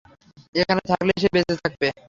এখানে থাকলেই সে বেঁচে থাকবে।